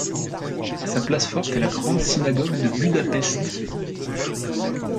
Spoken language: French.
Sa place forte est la Grande synagogue de Budapest.